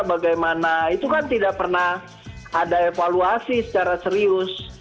bagaimana itu kan tidak pernah ada evaluasi secara serius